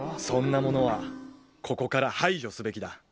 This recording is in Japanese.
そんなものはここから排除すべきだ。